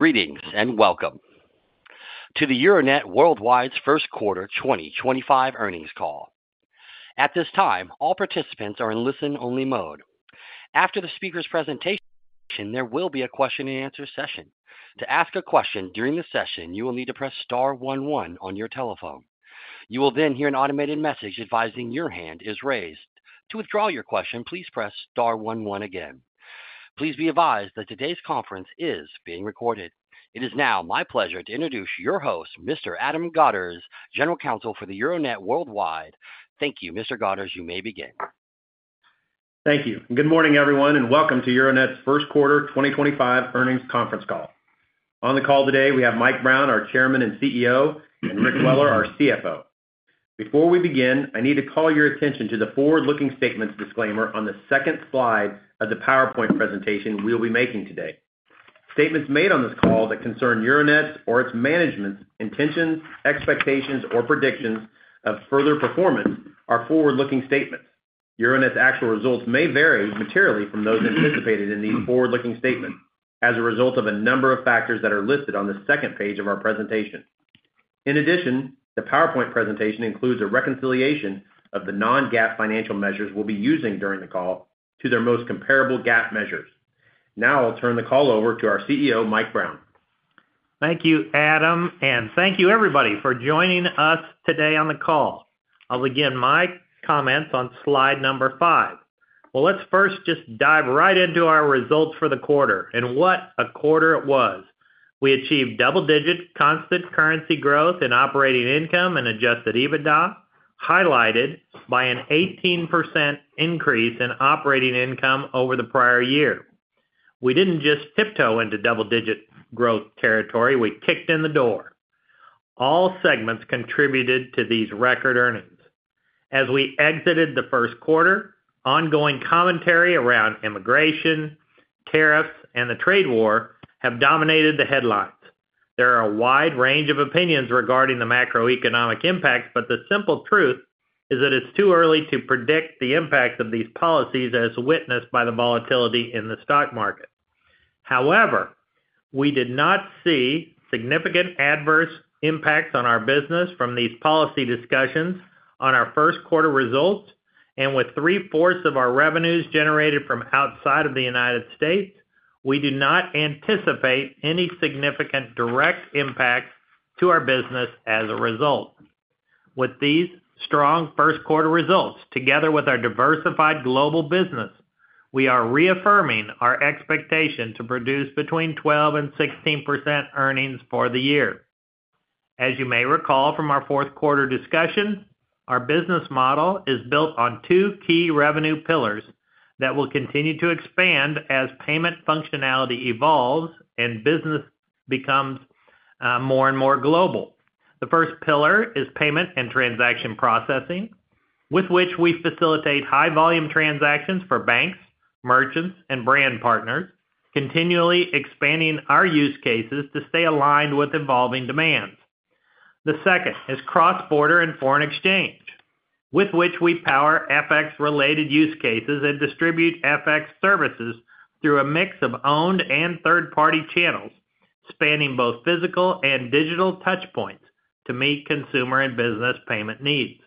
Greetings and welcome to the Euronet Worldwide's first quarter 2025 earnings call. At this time, all participants are in listen-only mode. After the speaker's presentation, there will be a question-and-answer session. To ask a question during the session, you will need to press star one one on your telephone. You will then hear an automated message advising your hand is raised. To withdraw your question, please press star one one again. Please be advised that today's conference is being recorded. It is now my pleasure to introduce your host, Mr. Adam Godderz, General Counsel for Euronet Worldwide. Thank you, Mr. Godderz. You may begin. Thank you. Good morning, everyone, and welcome to Euronet's first quarter 2025 earnings conference call. On the call today, we have Mike Brown, our Chairman and CEO, and Rick Weller, our CFO. Before we begin, I need to call your attention to the forward-looking statements disclaimer on the second slide of the PowerPoint presentation we will be making today. Statements made on this call that concern Euronet or its management's intentions, expectations, or predictions of further performance are forward-looking statements. Euronet's actual results may vary materially from those anticipated in these forward-looking statements as a result of a number of factors that are listed on the second page of our presentation. In addition, the PowerPoint presentation includes a reconciliation of the non-GAAP financial measures we will be using during the call to their most comparable GAAP measures. Now I will turn the call over to our CEO, Mike Brown. Thank you, Adam, and thank you, everybody, for joining us today on the call. I'll begin my comments on slide number five. Let's first just dive right into our results for the quarter and what a quarter it was. We achieved double-digit constant currency growth in operating income and adjusted EBITDA, highlighted by an 18% increase in operating income over the prior year. We didn't just tiptoe into double-digit growth territory; we kicked in the door. All segments contributed to these record earnings. As we exited the first quarter, ongoing commentary around immigration, tariffs, and the trade war have dominated the headlines. There are a wide range of opinions regarding the macroeconomic impacts, but the simple truth is that it's too early to predict the impacts of these policies, as witnessed by the volatility in the stock market. However, we did not see significant adverse impacts on our business from these policy discussions on our first quarter results, and with 3/4 of our revenues generated from outside of the U.S., we do not anticipate any significant direct impacts to our business as a result. With these strong first quarter results, together with our diversified global business, we are reaffirming our expectation to produce between 12% and 16% earnings for the year. As you may recall from our fourth quarter discussion, our business model is built on two key revenue pillars that will continue to expand as payment functionality evolves and business becomes more and more global. The first pillar is payment and transaction processing, with which we facilitate high-volume transactions for banks, merchants, and brand partners, continually expanding our use cases to stay aligned with evolving demands. The second is cross-border and foreign exchange, with which we power FX-related use cases and distribute FX services through a mix of owned and third-party channels, spanning both physical and digital touchpoints to meet consumer and business payment needs.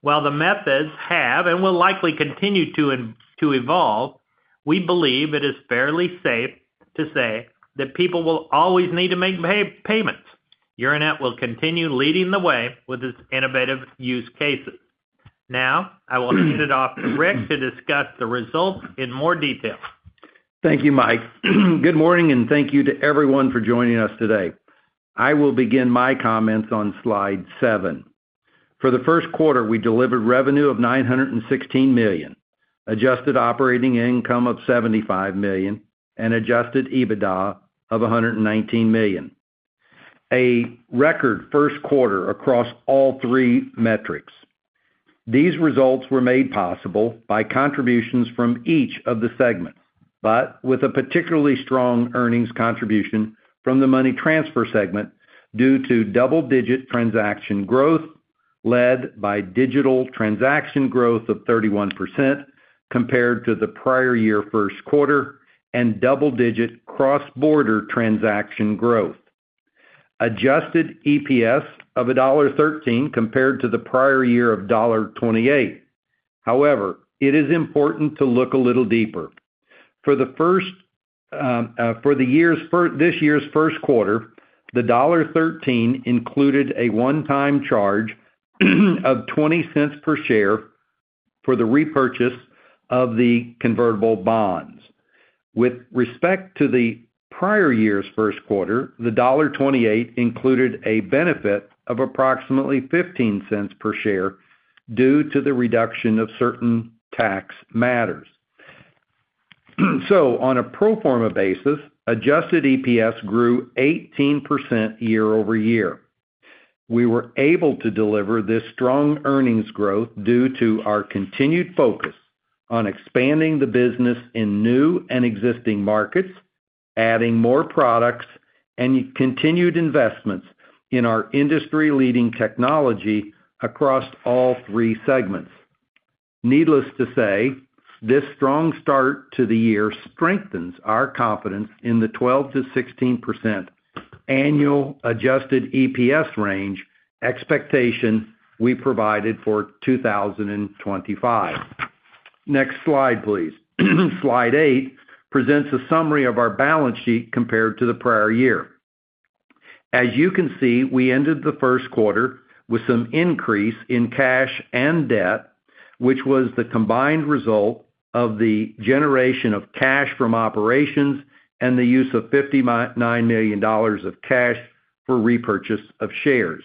While the methods have and will likely continue to evolve, we believe it is fairly safe to say that people will always need to make payments. Euronet will continue leading the way with its innovative use cases. Now I will hand it off to Rick to discuss the results in more detail. Thank you, Mike. Good morning, and thank you to everyone for joining us today. I will begin my comments on slide seven. For the first quarter, we delivered revenue of $916 million, adjusted operating income of $75 million, and adjusted EBITDA of $119 million. A record first quarter across all three metrics. These results were made possible by contributions from each of the segments, but with a particularly strong earnings contribution from the money transfer segment due to double-digit transaction growth led by digital transaction growth of 31% compared to the prior year first quarter and double-digit cross-border transaction growth. Adjusted EPS of $1.13 compared to the prior year of $1.28. However, it is important to look a little deeper. For this year's first quarter, the $1.13 included a one-time charge of $0.20 per share for the repurchase of the convertible bonds. With respect to the prior year's first quarter, the $1.28 included a benefit of approximately $0.15 per share due to the reduction of certain tax matters. On a pro forma basis, adjusted EPS grew 18% year-over-year. We were able to deliver this strong earnings growth due to our continued focus on expanding the business in new and existing markets, adding more products, and continued investments in our industry-leading technology across all three segments. Needless to say, this strong start to the year strengthens our confidence in the 12%-16% annual adjusted EPS range expectation we provided for 2025. Next slide, please. Slide eight presents a summary of our balance sheet compared to the prior year. As you can see, we ended the first quarter with some increase in cash and debt, which was the combined result of the generation of cash from operations and the use of $59 million of cash for repurchase of shares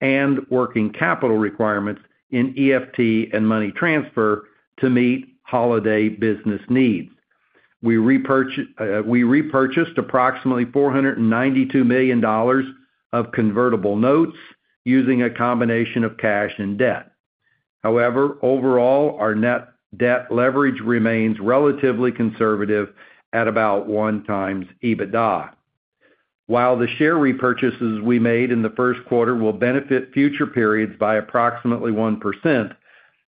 and working capital requirements in EFT and money transfer to meet holiday business needs. We repurchased approximately $492 million of convertible notes using a combination of cash and debt. However, overall, our net debt leverage remains relatively conservative at about one times EBITDA. While the share repurchases we made in the first quarter will benefit future periods by approximately 1%,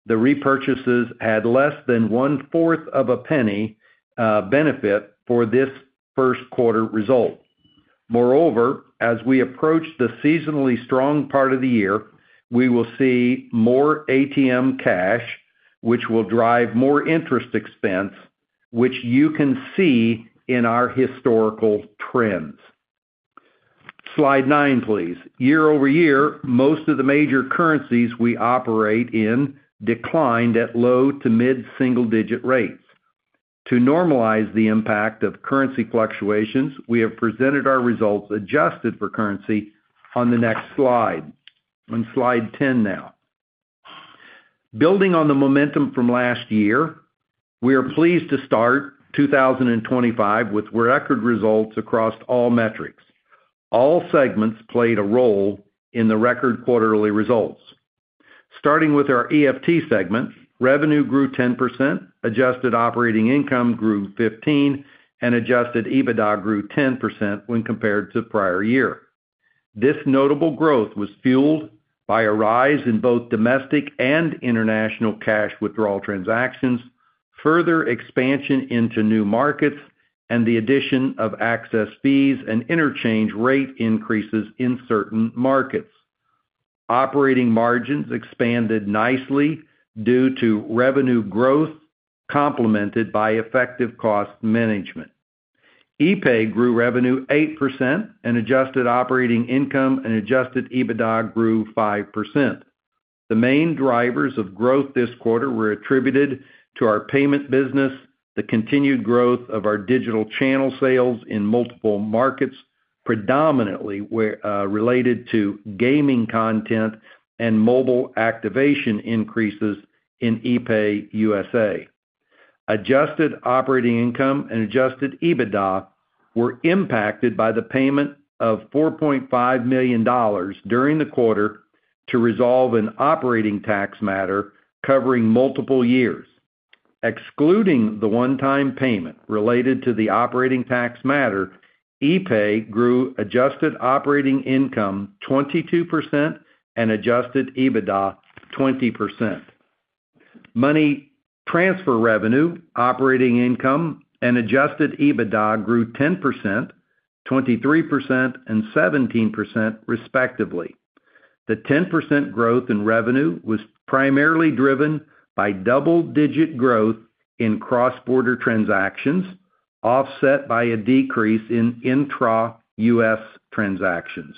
the repurchases had less than 1/4 of a penny benefit for this first quarter result. Moreover, as we approach the seasonally strong part of the year, we will see more ATM cash, which will drive more interest expense, which you can see in our historical trends. Slide nine, please. Year-over-year, most of the major currencies we operate in declined at low to mid-single-digit rates. To normalize the impact of currency fluctuations, we have presented our results adjusted for currency on the next slide. On slide 10 now. Building on the momentum from last year, we are pleased to start 2025 with record results across all metrics. All segments played a role in the record quarterly results. Starting with our EFT segment, revenue grew 10%, adjusted operating income grew 15%, and adjusted EBITDA grew 10% when compared to prior year. This notable growth was fueled by a rise in both domestic and international cash withdrawal transactions, further expansion into new markets, and the addition of access fees and interchange rate increases in certain markets. Operating margins expanded nicely due to revenue growth, complemented by effective cost management. epay grew revenue 8%, and adjusted operating income and adjusted EBITDA grew 5%. The main drivers of growth this quarter were attributed to our payment business, the continued growth of our digital channel sales in multiple markets, predominantly related to gaming content and mobile activation increases in epay U.S.A. Adjusted operating income and adjusted EBITDA were impacted by the payment of $4.5 million during the quarter to resolve an operating tax matter covering multiple years. Excluding the one-time payment related to the operating tax matter, epay grew adjusted operating income 22% and adjusted EBITDA 20%. Money transfer revenue, operating income, and adjusted EBITDA grew 10%, 23%, and 17%, respectively. The 10% growth in revenue was primarily driven by double-digit growth in cross-border transactions, offset by a decrease in intra-U.S. transactions.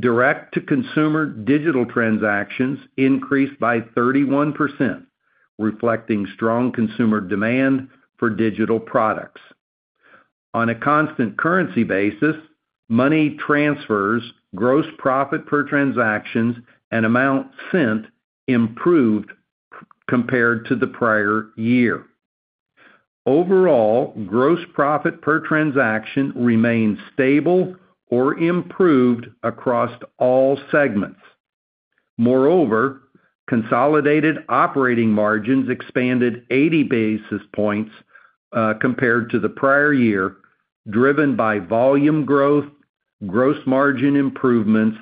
Direct-to-consumer digital transactions increased by 31%, reflecting strong consumer demand for digital products. On a constant currency basis, money transfers, gross profit per transaction, and amount sent improved compared to the prior year. Overall, gross profit per transaction remained stable or improved across all segments. Moreover, consolidated operating margins expanded 80 basis points compared to the prior year, driven by volume growth, gross margin improvements,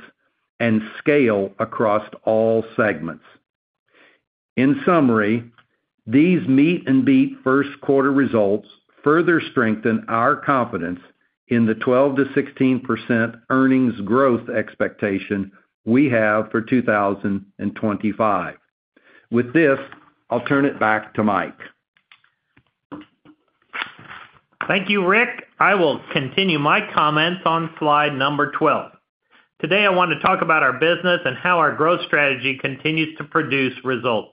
and scale across all segments. In summary, these meet-and-beat first quarter results further strengthen our confidence in the 12%-16% earnings growth expectation we have for 2025. With this, I'll turn it back to Mike. Thank you, Rick. I will continue my comments on slide number 12. Today, I want to talk about our business and how our growth strategy continues to produce results.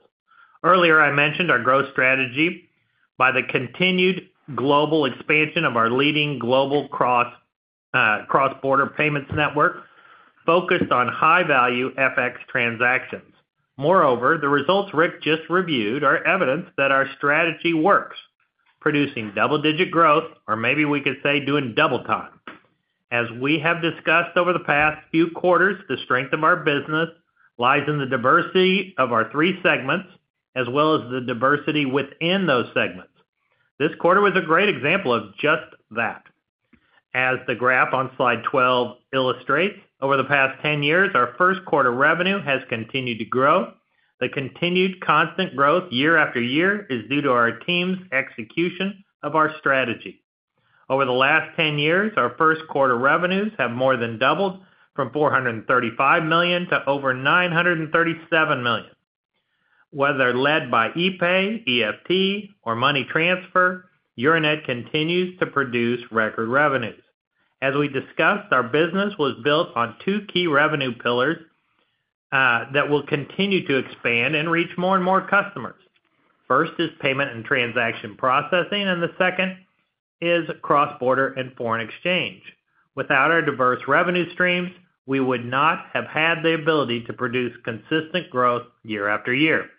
Earlier, I mentioned our growth strategy by the continued global expansion of our leading global cross-border payments network focused on high-value FX transactions. Moreover, the results Rick just reviewed are evidence that our strategy works, producing double-digit growth, or maybe we could say doing double time. As we have discussed over the past few quarters, the strength of our business lies in the diversity of our three segments, as well as the diversity within those segments. This quarter was a great example of just that. As the graph on slide 12 illustrates, over the past 10 years, our first quarter revenue has continued to grow. The continued constant growth year after year is due to our team's execution of our strategy. Over the last 10 years, our first quarter revenues have more than doubled from $435 million to over $937 million. Whether led by epay, EFT, or money transfer, Euronet continues to produce record revenues. As we discussed, our business was built on two key revenue pillars that will continue to expand and reach more and more customers. First is payment and transaction processing, and the second is cross-border and foreign exchange. Without our diverse revenue streams, we would not have had the ability to produce consistent growth year after year.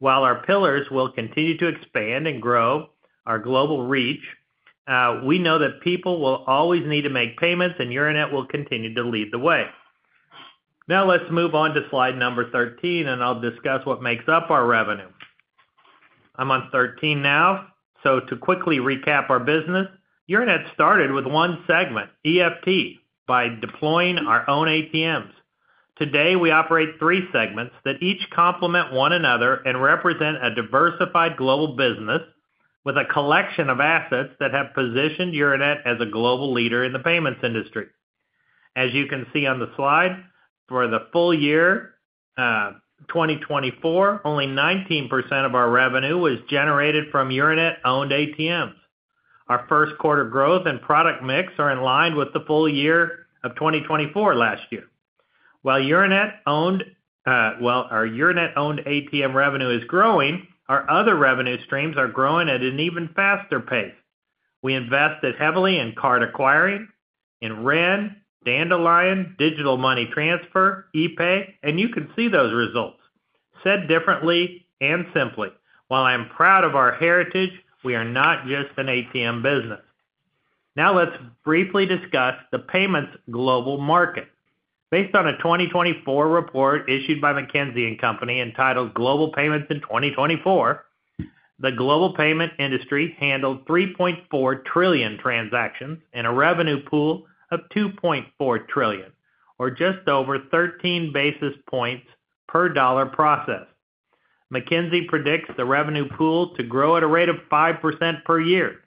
While our pillars will continue to expand and grow our global reach, we know that people will always need to make payments, and Euronet will continue to lead the way. Now let's move on to slide number 13, and I'll discuss what makes up our revenue. I'm on 13 now. To quickly recap our business, Euronet started with one segment, EFT, by deploying our own ATMs. Today, we operate three segments that each complement one another and represent a diversified global business with a collection of assets that have positioned Euronet as a global leader in the payments industry. As you can see on the slide, for the full year 2024, only 19% of our revenue was generated from Euronet-owned ATMs. Our first quarter growth and product mix are in line with the full year of 2024 last year. While Euronet-owned ATM revenue is growing, our other revenue streams are growing at an even faster pace. We invested heavily in card acquiring, in REN, Dandelion digital money transfer, epay, and you can see those results. Said differently and simply, while I'm proud of our heritage, we are not just an ATM business. Now let's briefly discuss the payments global market. Based on a 2024 report issued by McKinsey & Company entitled Global Payments in 2024, the global payment industry handled 3.4 trillion transactions and a revenue pool of $2.4 trillion, or just over 13 basis points per dollar processed. McKinsey predicts the revenue pool to grow at a rate of 5% per year.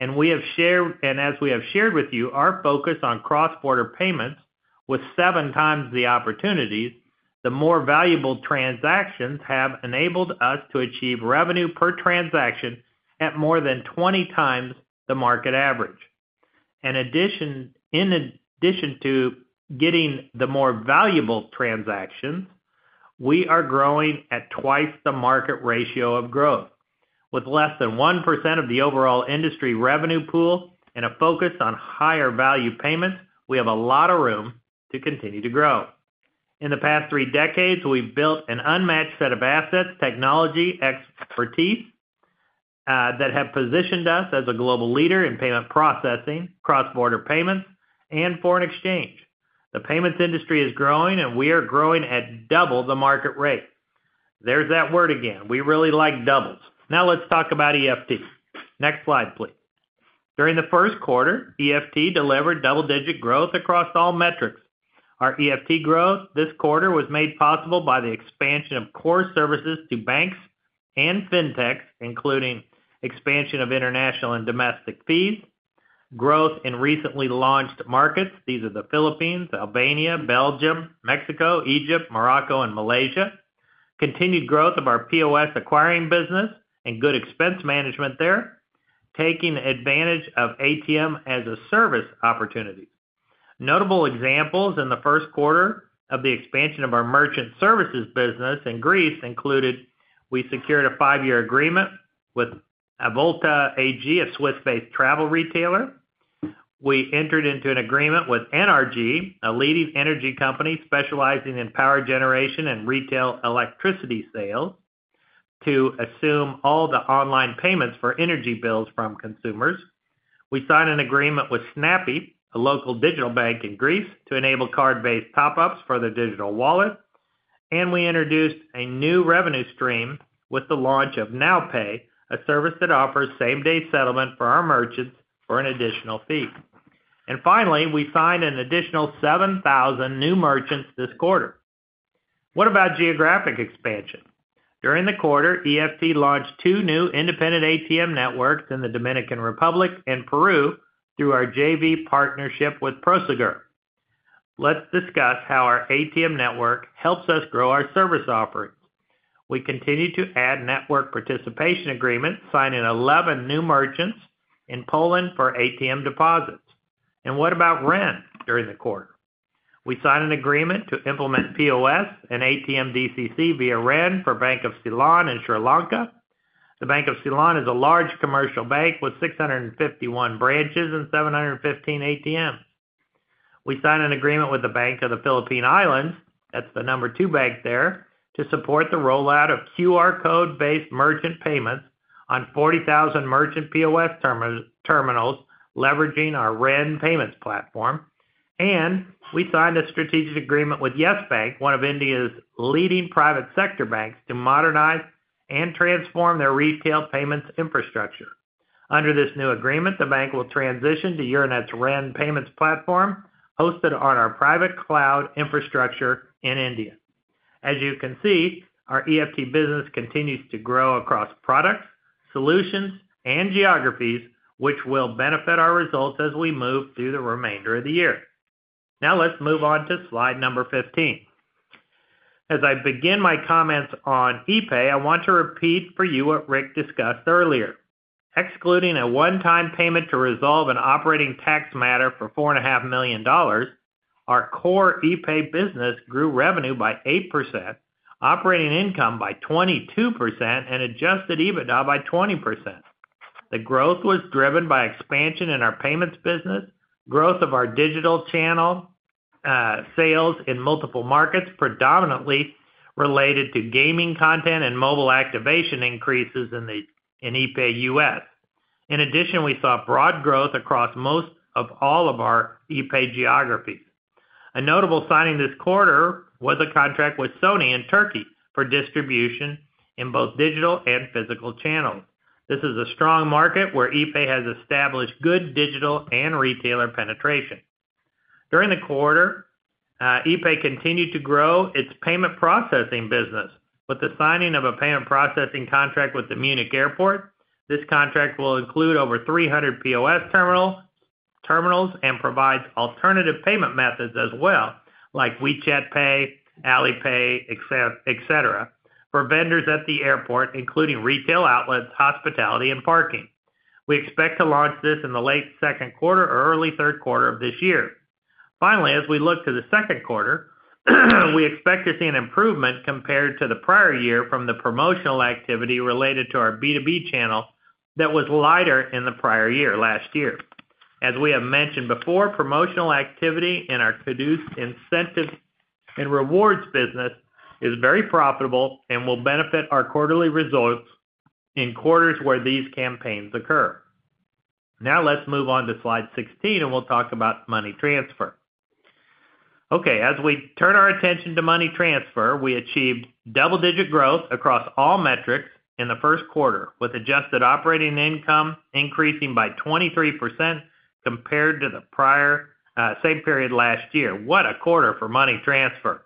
As we have shared with you, our focus on cross-border payments was seven times the opportunities. The more valuable transactions have enabled us to achieve revenue per transaction at more than 20 times the market average. In addition to getting the more valuable transactions, we are growing at twice the market ratio of growth. With less than 1% of the overall industry revenue pool and a focus on higher value payments, we have a lot of room to continue to grow. In the past three decades, we've built an unmatched set of assets, technology, expertise that have positioned us as a global leader in payment processing, cross-border payments, and foreign exchange. The payments industry is growing, and we are growing at double the market rate. There's that word again. We really like doubles. Now let's talk about EFT. Next slide, please. During the first quarter, EFT delivered double-digit growth across all metrics. Our EFT growth this quarter was made possible by the expansion of core services to banks and fintechs, including expansion of international and domestic fees, growth in recently launched markets. These are the Philippines, Albania, Belgium, Mexico, Egypt, Morocco, and Malaysia. Continued growth of our POS acquiring business and good expense management there, taking advantage of ATM as a service opportunities. Notable examples in the first quarter of the expansion of our merchant services business in Greece included we secured a five-year agreement with Avolta AG, a Swiss-based travel retailer. We entered into an agreement with NRG, a leading energy company specializing in power generation and retail electricity sales, to assume all the online payments for energy bills from consumers. We signed an agreement with Snappi, a local digital bank in Greece, to enable card-based top-ups for the digital wallet. We introduced a new revenue stream with the launch of NowPay, a service that offers same-day settlement for our merchants for an additional fee. Finally, we signed an additional 7,000 new merchants this quarter. What about geographic expansion? During the quarter, EFT launched two new independent ATM networks in the Dominican Republic and Peru through our JV partnership with Prosegur. Let's discuss how our ATM network helps us grow our service offerings. We continue to add network participation agreements, signing 11 new merchants in Poland for ATM deposits. What about REN during the quarter? We signed an agreement to implement POS and ATM DCC via REN for Bank of Ceylon in Sri Lanka. The Bank of Ceylon is a large commercial bank with 651 branches and 715 ATMs. We signed an agreement with the Bank of the Philippine Islands, that's the number two bank there, to support the rollout of QR code-based merchant payments on 40,000 merchant POS terminals leveraging our REN payments platform. We signed a strategic agreement with Yes Bank, one of India's leading private sector banks, to modernize and transform their retail payments infrastructure. Under this new agreement, the bank will transition to Euronet's REN payments platform hosted on our private cloud infrastructure in India. As you can see, our EFT business continues to grow across products, solutions, and geographies, which will benefit our results as we move through the remainder of the year. Now let's move on to slide number 15. As I begin my comments on epay, I want to repeat for you what Rick discussed earlier. Excluding a one-time payment to resolve an operating tax matter for $4.5 million, our core epay business grew revenue by 8%, operating income by 22%, and adjusted EBITDA by 20%. The growth was driven by expansion in our payments business, growth of our digital channel sales in multiple markets, predominantly related to gaming content and mobile activation increases in epay U.S. In addition, we saw broad growth across most of all of our epay geographies. A notable signing this quarter was a contract with Sony in Turkey for distribution in both digital and physical channels. This is a strong market where epay has established good digital and retailer penetration. During the quarter, epay continued to grow its payment processing business with the signing of a payment processing contract with Munich Airport. This contract will include over 300 POS terminals and provides alternative payment methods as well, like WeChat Pay, Alipay, etc., for vendors at the airport, including retail outlets, hospitality, and parking. We expect to launch this in the late second quarter or early third quarter of this year. Finally, as we look to the second quarter, we expect to see an improvement compared to the prior year from the promotional activity related to our B2B channel that was lighter in the prior year last year. As we have mentioned before, promotional activity in our produce incentives and rewards business is very profitable and will benefit our quarterly results in quarters where these campaigns occur. Now let's move on to slide 16, and we'll talk about money transfer. Okay, as we turn our attention to money transfer, we achieved double-digit growth across all metrics in the first quarter, with adjusted operating income increasing by 23% compared to the prior same period last year. What a quarter for money transfer.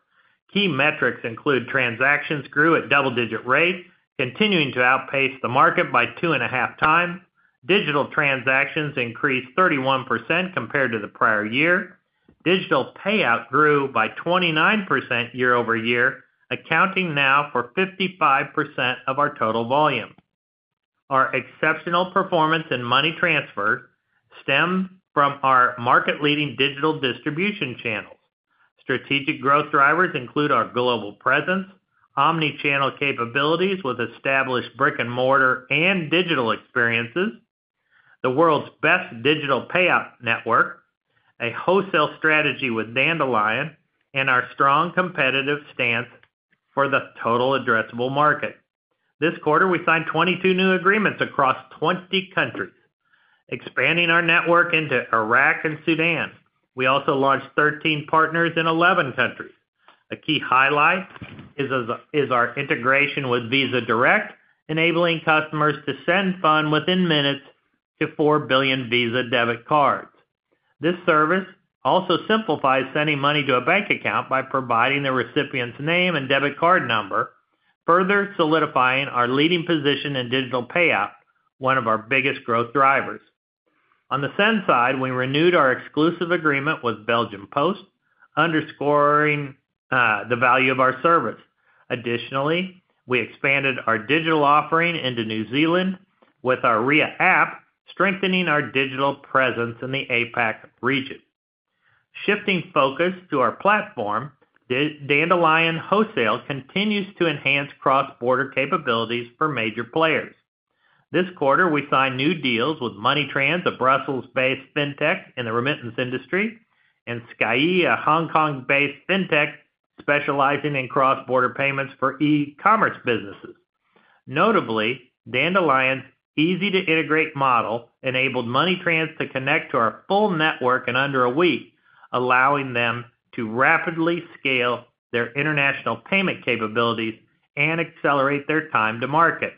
Key metrics include transactions grew at double-digit rates, continuing to outpace the market by two and a half times. Digital transactions increased 31% compared to the prior year. Digital payout grew by 29% year over year, accounting now for 55% of our total volume. Our exceptional performance in money transfer stemmed from our market-leading digital distribution channels. Strategic growth drivers include our global presence, omnichannel capabilities with established brick-and-mortar and digital experiences, the world's best digital payout network, a wholesale strategy with Dandelion, and our strong competitive stance for the total addressable market. This quarter, we signed 22 new agreements across 20 countries, expanding our network into Iraq and Sudan. We also launched 13 partners in 11 countries. A key highlight is our integration with Visa Direct, enabling customers to send funds within minutes to 4 billion Visa debit cards. This service also simplifies sending money to a bank account by providing the recipient's name and debit card number, further solidifying our leading position in digital payout, one of our biggest growth drivers. On the send side, we renewed our exclusive agreement with Belgium Post, underscoring the value of our service. Additionally, we expanded our digital offering into New Zealand with our Ria app, strengthening our digital presence in the APAC region. Shifting focus to our platform, Dandelion Wholesale continues to enhance cross-border capabilities for major players. This quarter, we signed new deals with Moneytrans, a Brussels-based fintech in the remittance industry, and Skyee, a Hong Kong-based fintech specializing in cross-border payments for e-commerce businesses. Notably, Dandelion's easy-to-integrate model enabled Moneytrans to connect to our full network in under a week, allowing them to rapidly scale their international payment capabilities and accelerate their time to market.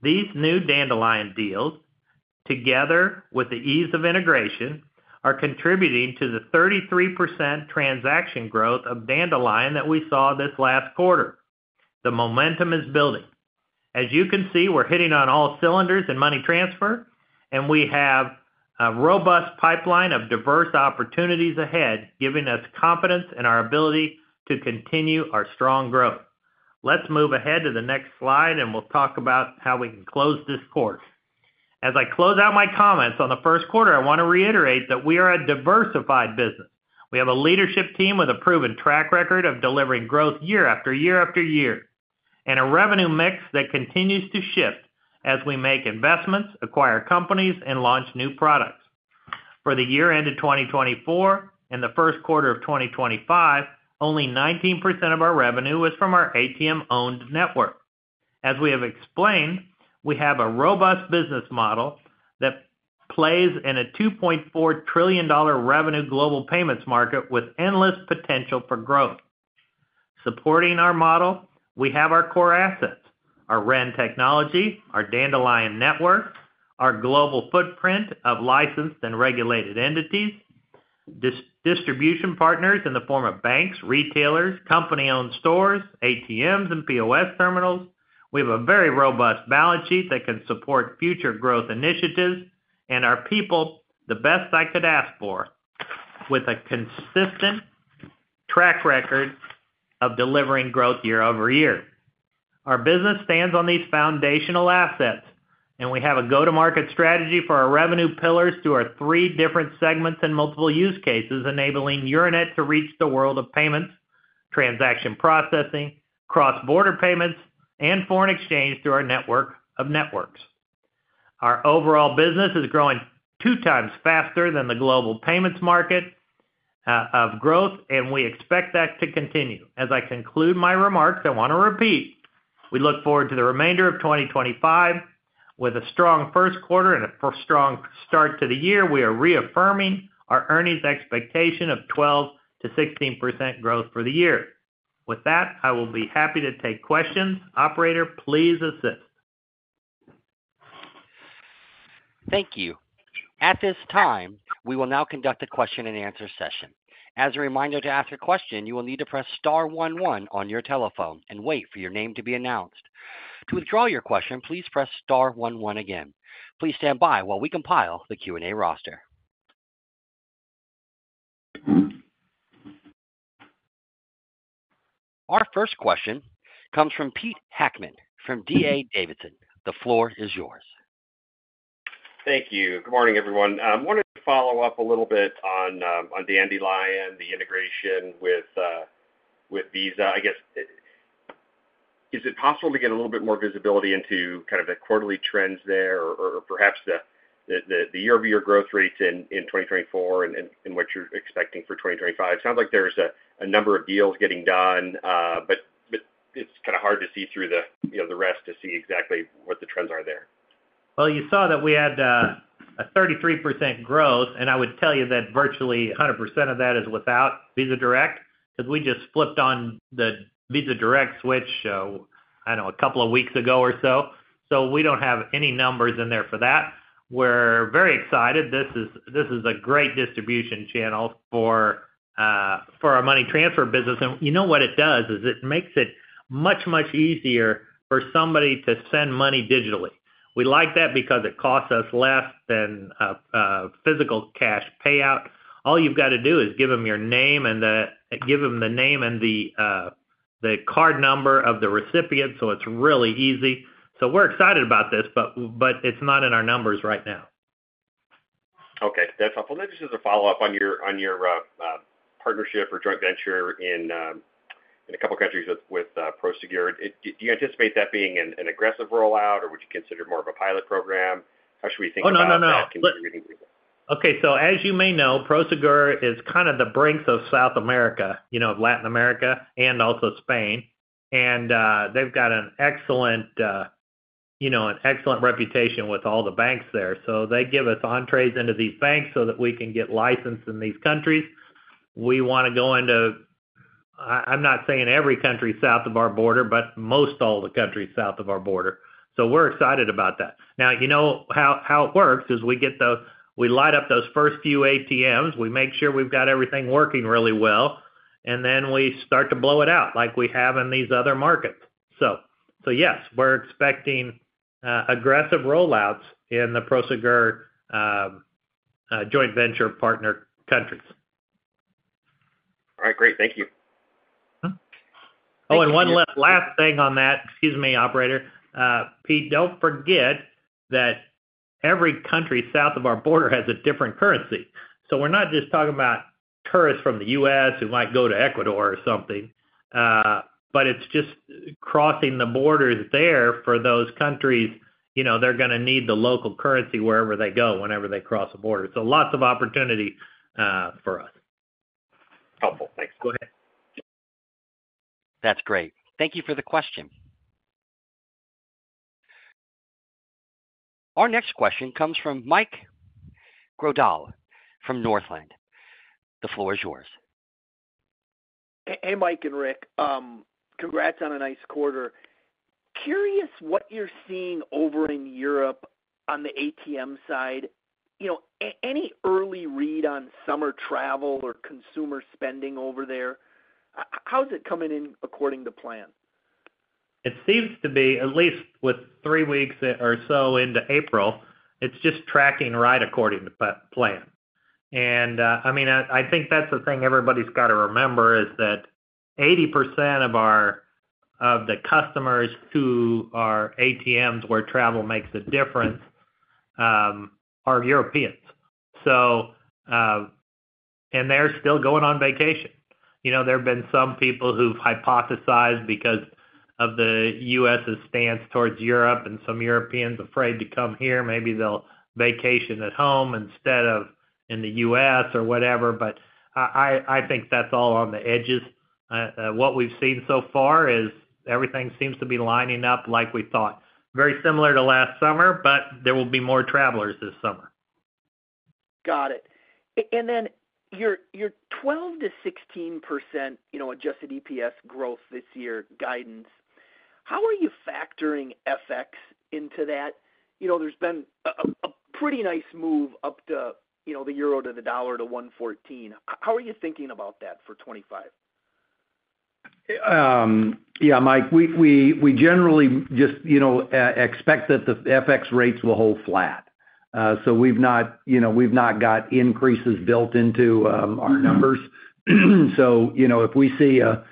These new Dandelion deals, together with the ease of integration, are contributing to the 33% transaction growth of Dandelion that we saw this last quarter. The momentum is building. As you can see, we're hitting on all cylinders in money transfer, and we have a robust pipeline of diverse opportunities ahead, giving us confidence in our ability to continue our strong growth. Let's move ahead to the next slide, and we'll talk about how we can close this quarter. As I close out my comments on the first quarter, I want to reiterate that we are a diversified business. We have a leadership team with a proven track record of delivering growth year after year after year, and a revenue mix that continues to shift as we make investments, acquire companies, and launch new products. For the year ended 2024 and the first quarter of 2025, only 19% of our revenue was from our ATM-owned network. As we have explained, we have a robust business model that plays in a $2.4 trillion revenue global payments market with endless potential for growth. Supporting our model, we have our core assets: our REN technology, our Dandelion network, our global footprint of licensed and regulated entities, distribution partners in the form of banks, retailers, company-owned stores, ATMs, and POS terminals. We have a very robust balance sheet that can support future growth initiatives and our people, the best I could ask for, with a consistent track record of delivering growth year-over-year. Our business stands on these foundational assets, and we have a go-to-market strategy for our revenue pillars through our three different segments and multiple use cases, enabling Euronet to reach the world of payments, transaction processing, cross-border payments, and foreign exchange through our network of networks. Our overall business is growing two times faster than the global payments market of growth, and we expect that to continue. As I conclude my remarks, I want to repeat, we look forward to the remainder of 2025. With a strong first quarter and a strong start to the year, we are reaffirming our earnings expectation of 12%-16% growth for the year. With that, I will be happy to take questions. Operator, please assist. Thank you. At this time, we will now conduct a question-and-answer session. As a reminder to ask your question, you will need to press star one one on your telephone and wait for your name to be announced. To withdraw your question, please press star one one again. Please stand by while we compile the Q&A roster. Our first question comes from Pete Heckmann from D.A. Davidson. The floor is yours. Thank you. Good morning, everyone. I wanted to follow up a little bit on Dandelion, the integration with Visa. I guess, is it possible to get a little bit more visibility into kind of the quarterly trends there or perhaps the year-over-year growth rates in 2024 and what you're expecting for 2025? It sounds like there's a number of deals getting done, but it's kind of hard to see through the rest to see exactly what the trends are there. You saw that we had a 33% growth, and I would tell you that virtually 100% of that is without Visa Direct because we just flipped on the Visa Direct switch, I don't know, a couple of weeks ago or so. We don't have any numbers in there for that. We're very excited. This is a great distribution channel for our money transfer business. You know what it does is it makes it much, much easier for somebody to send money digitally. We like that because it costs us less than physical cash payout. All you've got to do is give them your name and give them the name and the card number of the recipient, so it's really easy. We're excited about this, but it's not in our numbers right now. Okay. That's helpful. Let me just ask a follow-up on your partnership or joint venture in a couple of countries with Prosegur. Do you anticipate that being an aggressive rollout, or would you consider it more of a pilot program? How should we think about that? No, no, no. As you may know, Prosegur is kind of the Brink's of South America, Latin America, and also Spain. They've got an excellent reputation with all the banks there. They give us entrees into these banks so that we can get licensed in these countries. We want to go into—I am not saying every country south of our border, but most all the countries south of our border. We are excited about that. You know how it works is we light up those first few ATMs. We make sure we have got everything working really well, and then we start to blow it out like we have in these other markets. Yes, we are expecting aggressive rollouts in the Prosegur joint venture partner countries. All right. Great. Thank you. Oh, and one last thing on that—excuse me, Operator. Pete, do not forget that every country south of our border has a different currency. We're not just talking about tourists from the U.S. who might go to Ecuador or something, but it's just crossing the borders there for those countries. They're going to need the local currency wherever they go whenever they cross the border. Lots of opportunity for us. Helpful. Thanks. Go ahead. That's great. Thank you for the question. Our next question comes from Mike Grondahl from Northland. The floor is yours. Hey, Mike and Rick. Congrats on a nice quarter. Curious what you're seeing over in Europe on the ATM side. Any early read on summer travel or consumer spending over there? How's it coming in according to plan? It seems to be, at least with three weeks or so into April, it's just tracking right according to plan. I mean, I think that's the thing everybody's got to remember is that 80% of the customers who are ATMs where travel makes a difference are Europeans. They're still going on vacation. There have been some people who've hypothesized because of the U.S.'s stance towards Europe and some Europeans afraid to come here. Maybe they'll vacation at home instead of in the U.S. or whatever. I think that's all on the edges. What we've seen so far is everything seems to be lining up like we thought. Very similar to last summer, but there will be more travelers this summer. Got it. Your 12%-16% adjusted EPS growth this year guidance, how are you factoring FX into that? There's been a pretty nice move up the euro to the dollar to 1.14. How are you thinking about that for 2025? Yeah, Mike, we generally just expect that the FX rates will hold flat. So we've not got increases built into our numbers. If we see a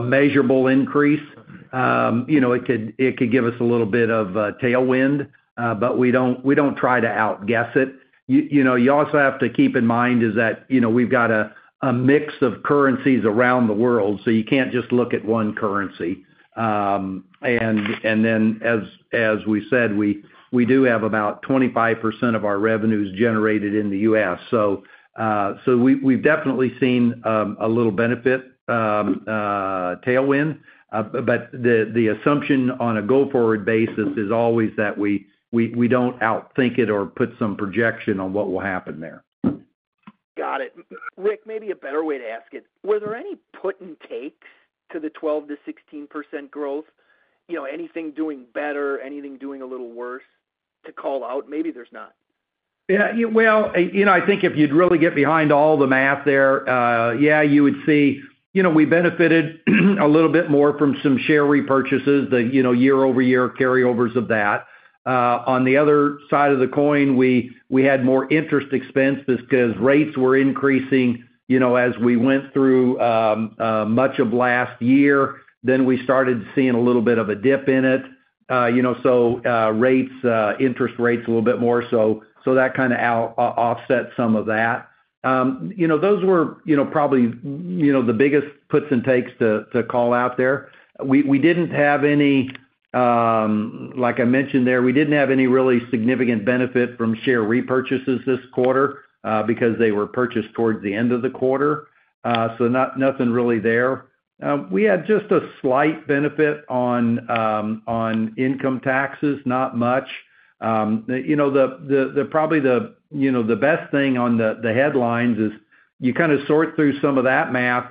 measurable increase, it could give us a little bit of tailwind, but we don't try to outguess it. You also have to keep in mind is that we've got a mix of currencies around the world, so you can't just look at one currency. As we said, we do have about 25% of our revenues generated in the U.S. We've definitely seen a little benefit tailwind, but the assumption on a go-forward basis is always that we don't outthink it or put some projection on what will happen there. Got it. Rick, maybe a better way to ask it. Were there any put and takes to the 12%-16% growth? Anything doing better, anything doing a little worse to call out? Maybe there's not. Yeah. I think if you'd really get behind all the math there, you would see we benefited a little bit more from some share repurchases, the year-over-year carryovers of that. On the other side of the coin, we had more interest expense because rates were increasing as we went through much of last year. We started seeing a little bit of a dip in it. Interest rates a little bit more. That kind of offset some of that. Those were probably the biggest puts and takes to call out there. We didn't have any, like I mentioned there, we didn't have any really significant benefit from share repurchases this quarter because they were purchased towards the end of the quarter. Nothing really there. We had just a slight benefit on income taxes, not much. Probably the best thing on the headlines is you kind of sort through some of that math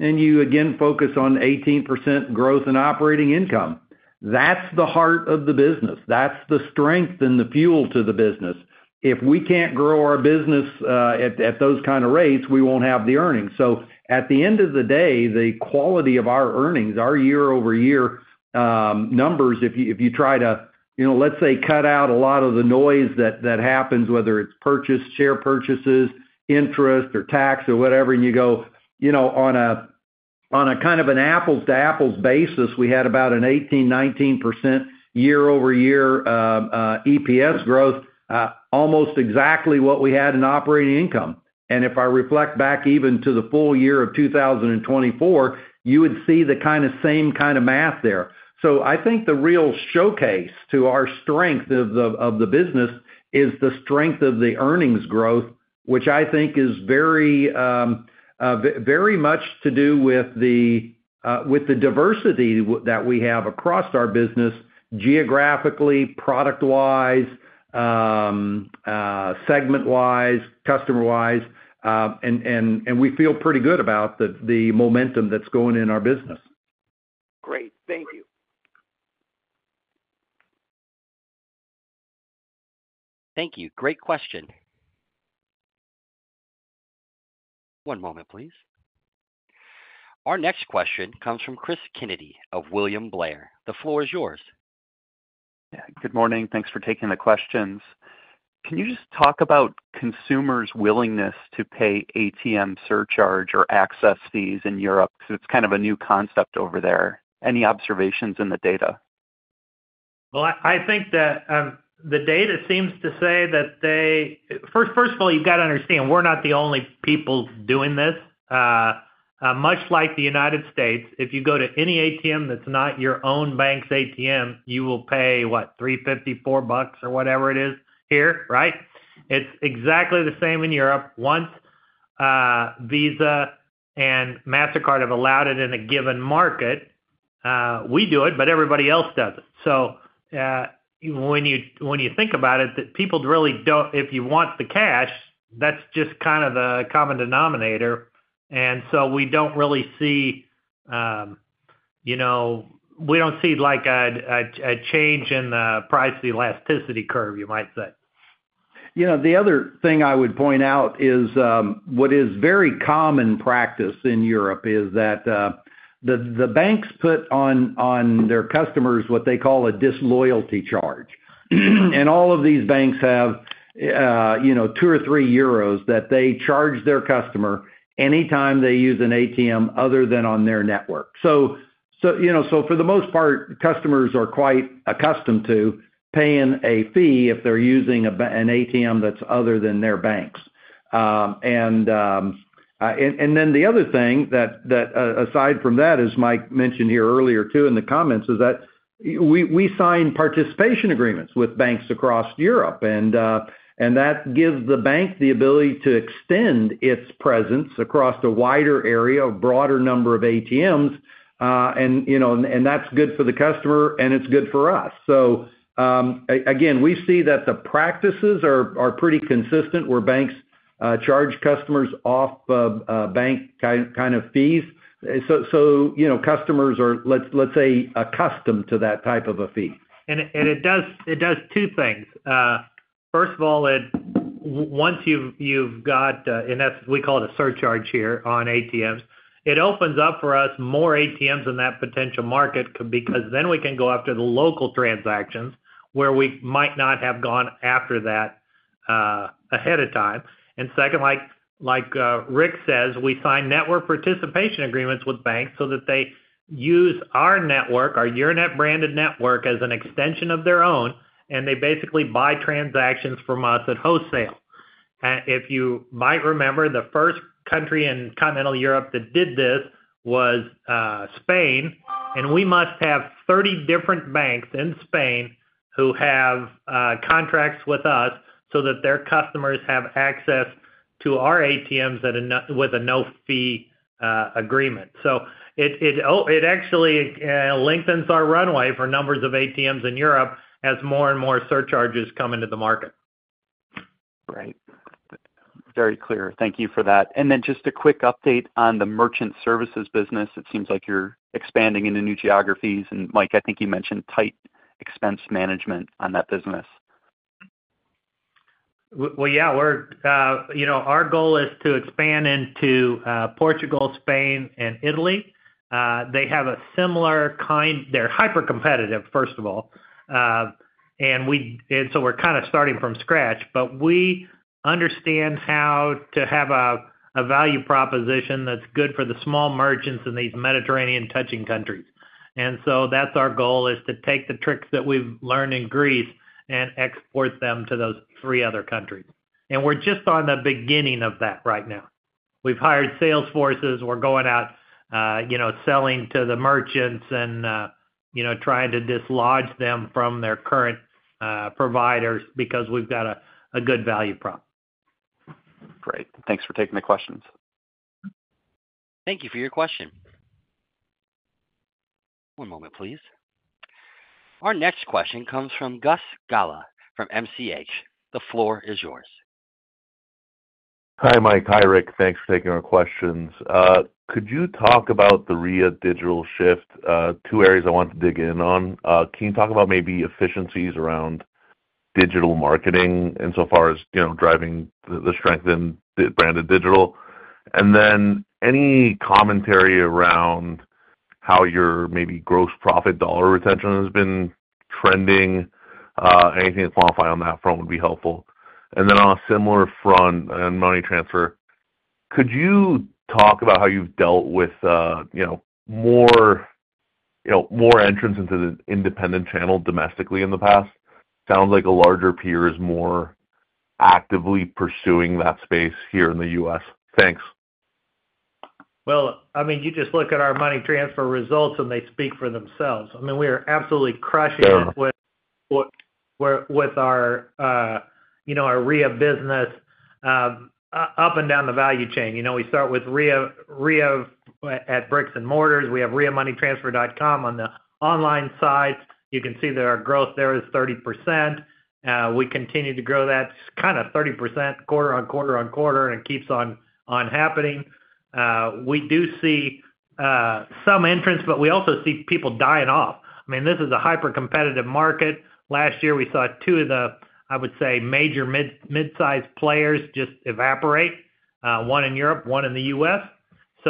and you again focus on 18% growth in operating income. That's the heart of the business. That's the strength and the fuel to the business. If we can't grow our business at those kind of rates, we won't have the earnings. At the end of the day, the quality of our earnings, our year-over-year numbers, if you try to, let's say, cut out a lot of the noise that happens, whether it's purchase, share purchases, interest, or tax or whatever, and you go on a kind of an apples-to-apples basis, we had about an 18%-19% year-over-year EPS growth, almost exactly what we had in operating income. If I reflect back even to the full year of 2024, you would see the same kind of math there. I think the real showcase to our strength of the business is the strength of the earnings growth, which I think is very much to do with the diversity that we have across our business, geographically, product-wise, segment-wise, customer-wise. We feel pretty good about the momentum that's going in our business. Great. Thank you. Thank you. Great question. One moment, please. Our next question comes from Cris Kennedy of William Blair. The floor is yours. Good morning. Thanks for taking the questions. Can you just talk about consumers' willingness to pay ATM surcharge or access fees in Europe? It's kind of a new concept over there. Any observations in the data? I think that the data seems to say that they—first of all, you've got to understand, we're not the only people doing this. Much like the United States, if you go to any ATM that's not your own bank's ATM, you will pay, what, $3-$4 or whatever it is here, right? It's exactly the same in Europe. Once Visa and MasterCard have allowed it in a given market, we do it, but everybody else does it. When you think about it, people really don't—if you want the cash, that's just kind of the common denominator. We don't really see—we don't see a change in the price elasticity curve, you might say. The other thing I would point out is what is very common practice in Europe is that the banks put on their customers what they call a disloyalty charge. All of these banks have 2 or 3 euros that they charge their customer anytime they use an ATM other than on their network. For the most part, customers are quite accustomed to paying a fee if they're using an ATM that's other than their banks. The other thing that, aside from that, as Mike mentioned here earlier too in the comments, is that we sign participation agreements with banks across Europe. That gives the bank the ability to extend its presence across a wider area, a broader number of ATMs. That is good for the customer, and it's good for us. Again, we see that the practices are pretty consistent where banks charge customers off-bank kind of fees. Customers are, let's say, accustomed to that type of a fee. It does two things. First of all, once you've got—and that's what we call it a surcharge here on ATMs—it opens up for us more ATMs in that potential market because then we can go after the local transactions where we might not have gone after that ahead of time. Second, like Rick says, we sign network participation agreements with banks so that they use our network, our Euronet branded network as an extension of their own, and they basically buy transactions from us at wholesale. If you might remember, the first country in continental Europe that did this was Spain. We must have 30 different banks in Spain who have contracts with us so that their customers have access to our ATMs with a no-fee agreement. It actually lengthens our runway for numbers of ATMs in Europe as more and more surcharges come into the market. Right. Very clear. Thank you for that. And then just a quick update on the merchant services business. It seems like you're expanding into new geographies. Mike, I think you mentioned tight expense management on that business. Our goal is to expand into Portugal, Spain, and Italy. They have a similar kind. They're hyper-competitive, first of all. We're kind of starting from scratch. We understand how to have a value proposition that's good for the small merchants in these Mediterranean-touching countries. That's our goal, to take the tricks that we've learned in Greece and export them to those three other countries. We're just on the beginning of that right now. We've hired sales forces. We're going out selling to the merchants and trying to dislodge them from their current providers because we've got a good value prop. Great. Thanks for taking the questions. Thank you for your question. One moment, please. Our next question comes from Gus Gala from MCH. The floor is yours. Hi, Mike. Hi, Rick. Thanks for taking our questions. Could you talk about the Ria digital shift? Two areas I want to dig in on. Can you talk about maybe efficiencies around digital marketing insofar as driving the strength in branded digital? And then any commentary around how your maybe gross profit dollar retention has been trending? Anything to qualify on that front would be helpful. Then on a similar front in money transfer, could you talk about how you've dealt with more entrants into the independent channel domestically in the past? Sounds like a larger peer is more actively pursuing that space here in the U.S. Thanks. I mean, you just look at our money transfer results, and they speak for themselves. I mean, we are absolutely crushing with our Ria business up and down the value chain. We start with Ria at brick and mortar. We have riamoneytransfer.com on the online side. You can see that our growth there is 30%. We continue to grow that kind of 30% quarter on quarter on quarter, and it keeps on happening. We do see some entrance, but we also see people dying off. I mean, this is a hyper-competitive market. Last year, we saw two of the, I would say, major mid-size players just evaporate, one in Europe, one in the U.S.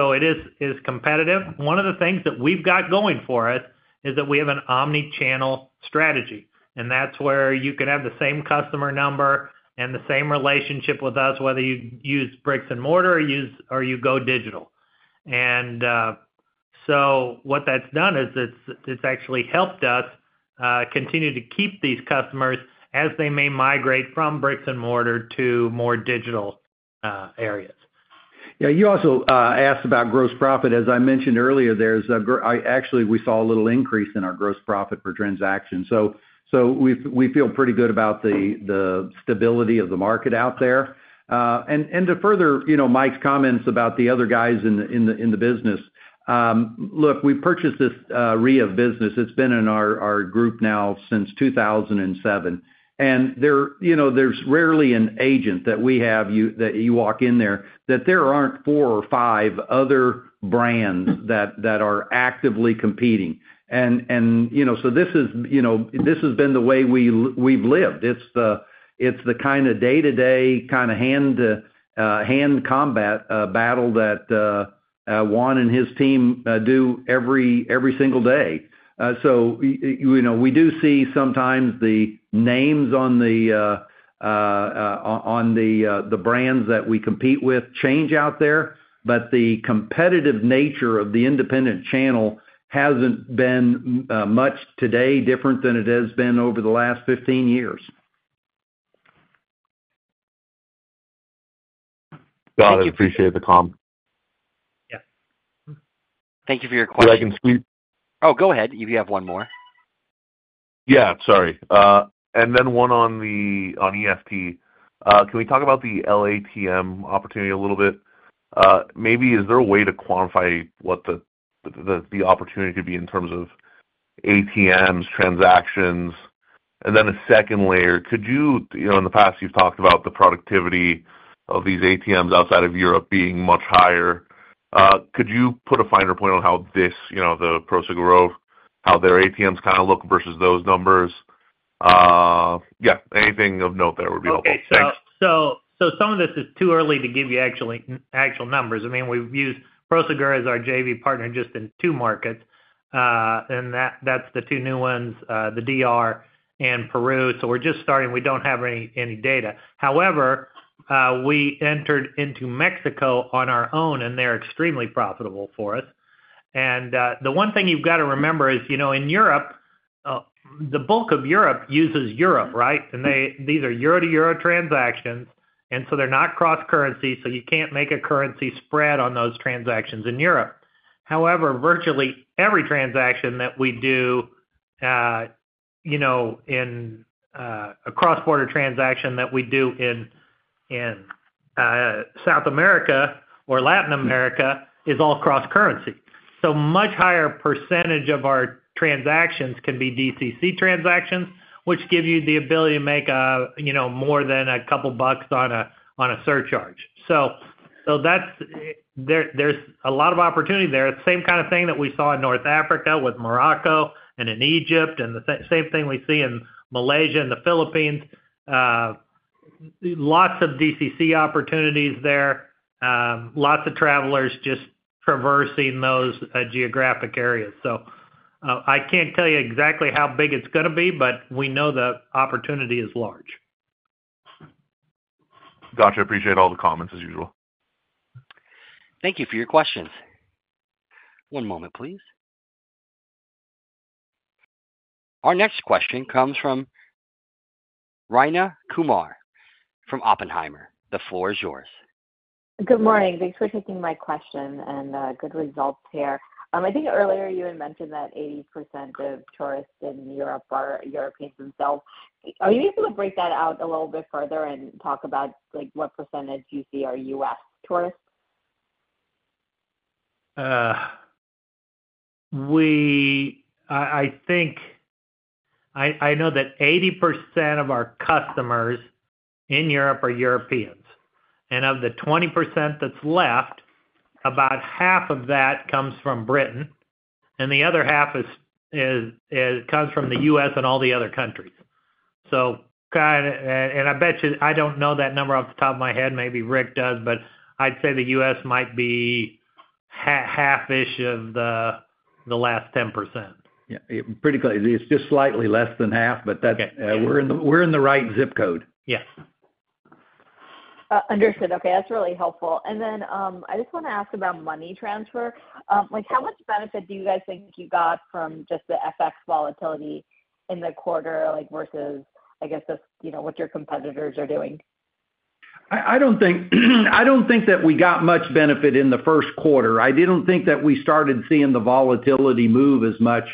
It is competitive. One of the things that we've got going for us is that we have an omnichannel strategy. That is where you can have the same customer number and the same relationship with us, whether you use bricks and mortar or you go digital. What that's done is it's actually helped us continue to keep these customers as they may migrate from bricks and mortar to more digital areas. Yeah. You also asked about gross profit. As I mentioned earlier, we saw a little increase in our gross profit per transaction. We feel pretty good about the stability of the market out there. To further Mike's comments about the other guys in the business, look, we purchased this Ria business. It's been in our group now since 2007. There's rarely an agent that we have that you walk in there that there aren't four or five other brands that are actively competing. This has been the way we've lived. It's the kind of day-to-day kind of hand combat battle that Juan and his team do every single day. We do see sometimes the names on the brands that we compete with change out there, but the competitive nature of the independent channel has not been much today different than it has been over the last 15 years. Thank you. Appreciate the call. Yeah. Thank you for your question. Did I can sweep? Oh, go ahead. If you have one more. Yeah. Sorry. And then one on EFT. Can we talk about the LATM opportunity a little bit? Maybe is there a way to quantify what the opportunity could be in terms of ATMs, transactions? And then a second layer, could you—in the past, you have talked about the productivity of these ATMs outside of Europe being much higher. Could you put a finer point on how this, the Prosegur, how their ATMs kind of look versus those numbers? Yeah. Anything of note there would be helpful. Thanks. Some of this is too early to give you actual numbers. I mean, we've used Prosegur as our JV partner just in two markets. That's the two new ones, the Dominican Republic and Peru. We're just starting. We don't have any data. However, we entered into Mexico on our own, and they're extremely profitable for us. The one thing you've got to remember is in Europe, the bulk of Europe uses euro, right? These are euro to euro transactions. They're not cross-currency, so you can't make a currency spread on those transactions in Europe. However, virtually every transaction that we do in a cross-border transaction that we do in South America or Latin America is all cross-currency. A much higher percentage of our transactions can be DCC transactions, which gives you the ability to make more than a couple of bucks on a surcharge. There is a lot of opportunity there. Same kind of thing that we saw in North Africa with Morocco and in Egypt, and the same thing we see in Malaysia and the Philippines. Lots of DCC opportunities there. Lots of travelers just traversing those geographic areas. I can't tell you exactly how big it's going to be, but we know the opportunity is large. Gotcha. Appreciate all the comments as usual. Thank you for your questions. One moment, please. Our next question comes from Rayna Kumar from Oppenheimer. The floor is yours. Good morning. Thanks for taking my question and good results here. I think earlier you had mentioned that 80% of tourists in Europe are Europeans themselves. Are you able to break that out a little bit further and talk about what percentage you see are U.S. tourists? I know that 80% of our customers in Europe are Europeans. Of the 20% that's left, about half of that comes from Britain. The other half comes from the U.S. and all the other countries. I bet you I do not know that number off the top of my head. Maybe Rick does, but I'd say the U.S. might be half-ish of the last 10%. Yeah. Pretty close. It's just slightly less than half, but we're in the right zip code. Yes. Understood. Okay. That's really helpful. I just want to ask about money transfer. How much benefit do you guys think you got from just the FX volatility in the quarter versus, I guess, what your competitors are doing? I do not think that we got much benefit in the first quarter. I do not think that we started seeing the volatility move as much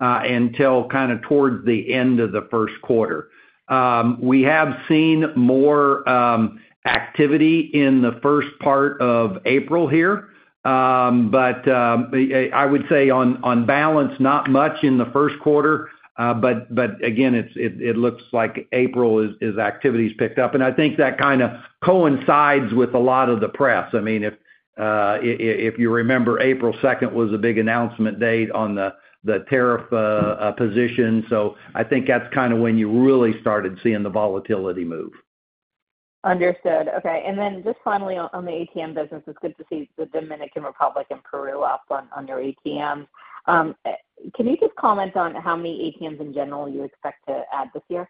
until kind of towards the end of the first quarter. We have seen more activity in the first part of April here. I would say on balance, not much in the first quarter. Again, it looks like April is activities picked up. I think that kind of coincides with a lot of the press. I mean, if you remember, April 2nd was a big announcement date on the tariff position. I think that is kind of when you really started seeing the volatility move. Understood. Okay. Finally, on the ATM business, it is good to see the Dominican Republic and Peru up on your ATMs. Can you just comment on how many ATMs in general you expect to add this year?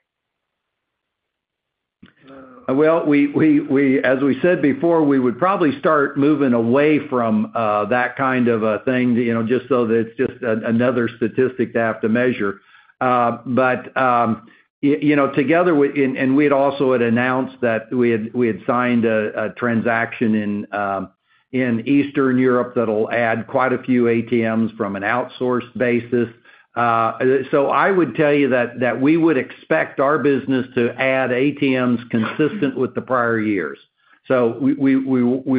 As we said before, we would probably start moving away from that kind of a thing just so that it's just another statistic to have to measure. Together, and we had also announced that we had signed a transaction in Eastern Europe that'll add quite a few ATMs from an outsourced basis. I would tell you that we would expect our business to add ATMs consistent with the prior years. We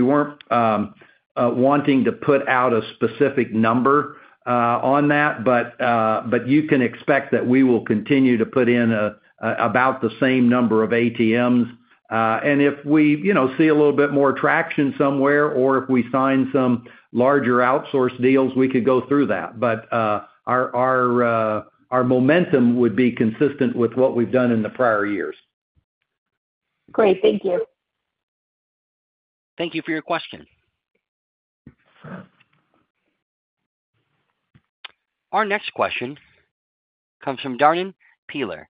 were not wanting to put out a specific number on that. You can expect that we will continue to put in about the same number of ATMs. If we see a little bit more traction somewhere or if we sign some larger outsource deals, we could go through that. Our momentum would be consistent with what we've done in the prior years. Great. Thank you. Thank you for your question. Our next question comes from Darrin Peller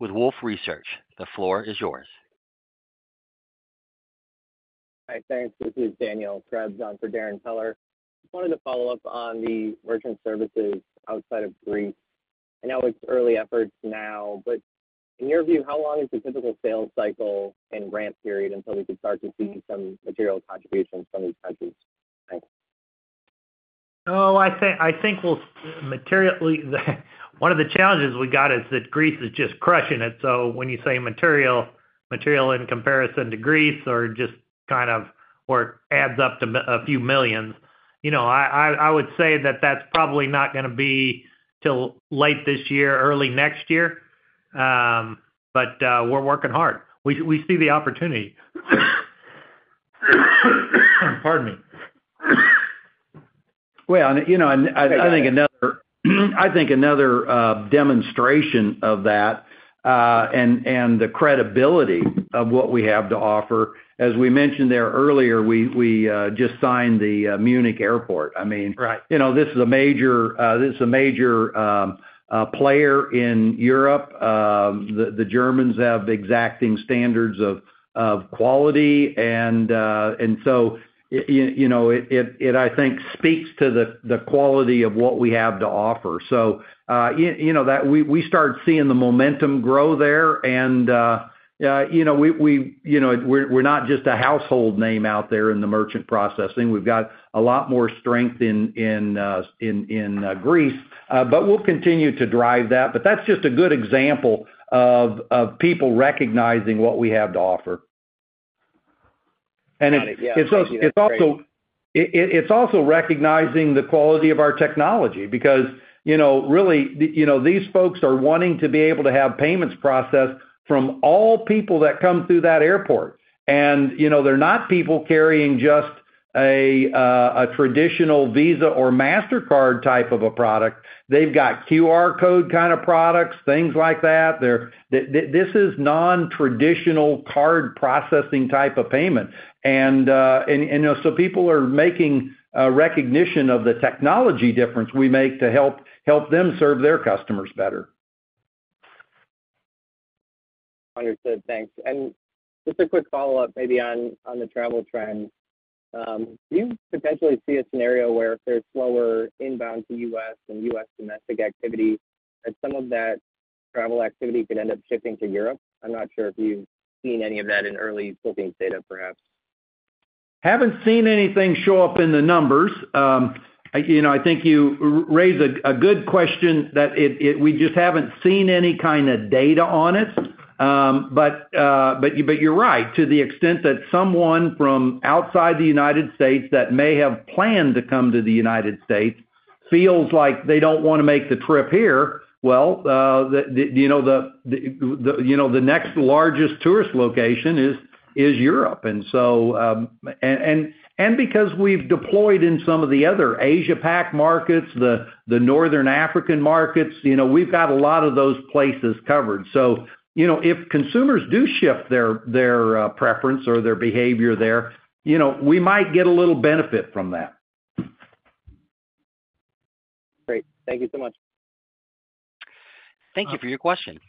with Wolfe Research. The floor is yours. Hi. Thanks. This is Daniel Krebs on for Darrin Peller. I wanted to follow up on the merchant services outside of Greece. I know it's early efforts now, but in your view, how long is the typical sales cycle and ramp period until we could start to see some material contributions from these countries? Thanks. I think one of the challenges we got is that Greece is just crushing it. When you say material, material in comparison to Greece or just kind of where it adds up to a few millions, I would say that that's probably not going to be till late this year, early next year. We are working hard. We see the opportunity. Pardon me. I think another demonstration of that and the credibility of what we have to offer. As we mentioned there earlier, we just signed the Munich Airport. I mean, this is a major player in Europe. The Germans have exacting standards of quality. I think it speaks to the quality of what we have to offer. We started seeing the momentum grow there. We are not just a household name out there in the merchant processing. We have a lot more strength in Greece. We will continue to drive that. That is just a good example of people recognizing what we have to offer. It is also recognizing the quality of our technology because really, these folks are wanting to be able to have payments processed from all people that come through that airport. They're not people carrying just a traditional Visa or MasterCard type of a product. They've got QR code kind of products, things like that. This is non-traditional card processing type of payment. People are making recognition of the technology difference we make to help them serve their customers better. Understood. Thanks. Just a quick follow-up maybe on the travel trend. Do you potentially see a scenario where if there's slower inbound to the U.S. and U.S. domestic activity, that some of that travel activity could end up shifting to Europe? I'm not sure if you've seen any of that in early booking data, perhaps. Haven't seen anything show up in the numbers. I think you raised a good question that we just haven't seen any kind of data on it. You're right. To the extent that someone from outside the United States that may have planned to come to the United States feels like they do not want to make the trip here, the next largest tourist location is Europe. Because we have deployed in some of the other Asia-Pac markets, the Northern African markets, we have got a lot of those places covered. If consumers do shift their preference or their behavior there, we might get a little benefit from that. Great. Thank you so much. Thank you for your question.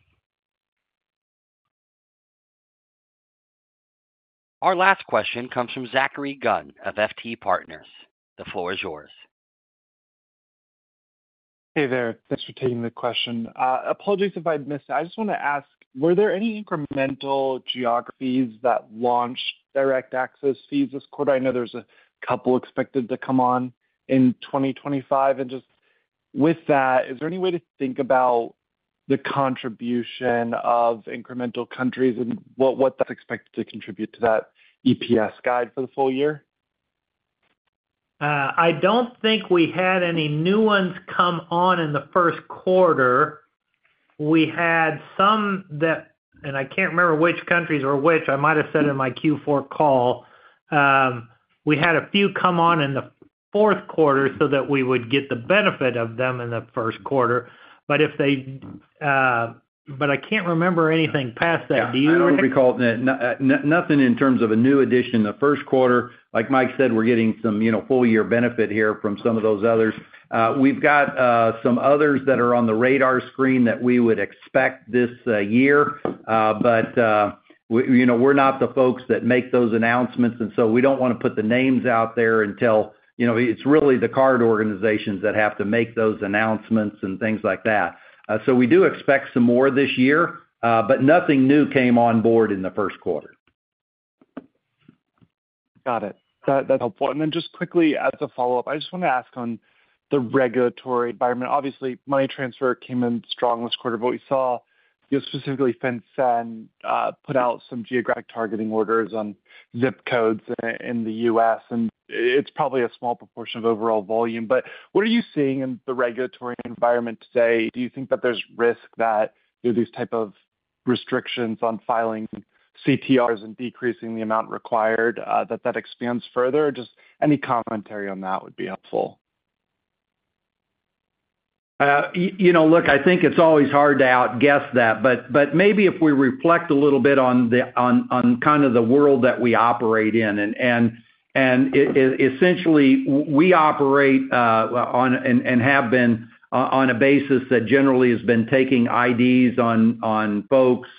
Our last question comes from Zachary Gunn of FT Partners. The floor is yours. Hey there. Thanks for taking the question. Apologies if I missed it. I just want to ask, were there any incremental geographies that launched Direct Access fees this quarter? I know there is a couple expected to come on in 2025. Just with that, is there any way to think about the contribution of incremental countries and what that's expected to contribute to that EPS guide for the full year? I do not think we had any new ones come on in the first quarter. We had some that, and I cannot remember which countries or which. I might have said in my Q4 call. We had a few come on in the fourth quarter so that we would get the benefit of them in the first quarter. I cannot remember anything past that. Do you recall? Nothing in terms of a new addition the first quarter. Like Mike said, we're getting some full-year benefit here from some of those others. We've got some others that are on the radar screen that we would expect this year. We are not the folks that make those announcements. We do not want to put the names out there until it is really the card organizations that have to make those announcements and things like that. We do expect some more this year, but nothing new came on board in the first quarter. Got it. That is helpful. Just quickly, as a follow-up, I just want to ask on the regulatory environment. Obviously, money transfer came in strong this quarter. We saw specifically FinCEN put out some Geographic Targeting Orders on ZIP codes in the U.S. It is probably a small proportion of overall volume. What are you seeing in the regulatory environment today? Do you think that there is risk that these types of restrictions on filing CTRs and decreasing the amount required, that that expands further? Any commentary on that would be helpful. Look, I think it is always hard to outguess that. If we reflect a little bit on kind of the world that we operate in. Essentially, we operate and have been on a basis that generally has been taking IDs on folks.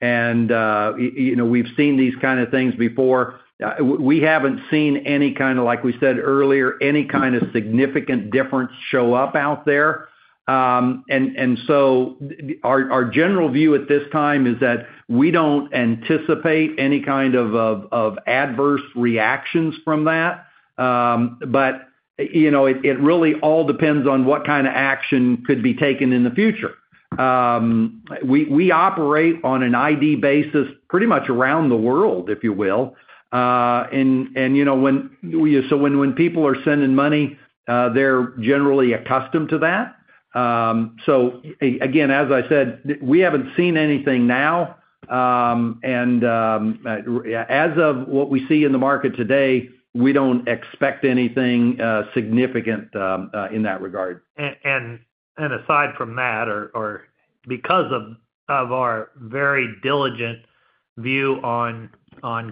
We've seen these kinds of things before. We haven't seen any kind of, like we said earlier, any kind of significant difference show up out there. Our general view at this time is that we don't anticipate any kind of adverse reactions from that. It really all depends on what kind of action could be taken in the future. We operate on an ID basis pretty much around the world, if you will. When people are sending money, they're generally accustomed to that. Again, as I said, we haven't seen anything now. As of what we see in the market today, we do not expect anything significant in that regard. Aside from that, or because of our very diligent view on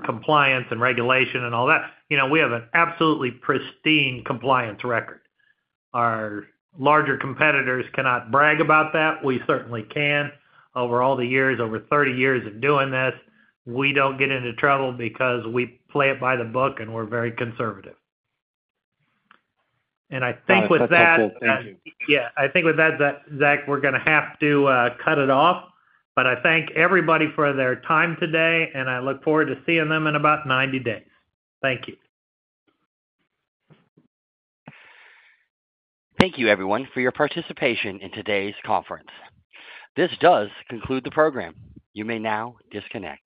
compliance and regulation and all that, we have an absolutely pristine compliance record. Our larger competitors cannot brag about that. We certainly can. Over all the years, over 30 years of doing this, we do not get into trouble because we play it by the book and we are very conservative. I think with that. Thank you. I think with that, Zach, we are going to have to cut it off. I thank everybody for their time today. I look forward to seeing them in about 90 days. Thank you. Thank you, everyone, for your participation in today's conference. This does conclude the program. You may now disconnect.